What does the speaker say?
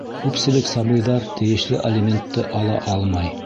Күпселек сабыйҙар тейешле алиментты ала алмай.